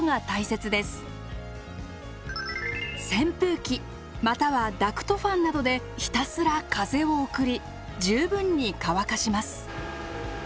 扇風機またはダクトファンなどでひたすら風を送り十分に乾かします。